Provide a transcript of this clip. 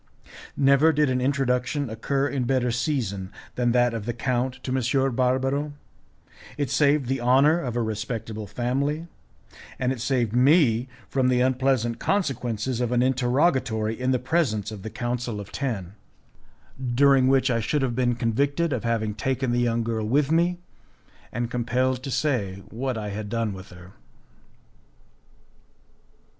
Never did an introduction occur in better season than that of the count to M. Barbaro. It saved the honour of a respectable family; and it saved me from the unpleasant consequences of an interrogatory in the presence of the Council of Ten, during which I should have been convicted of having taken the young girl with me, and compelled to say what I had done with her.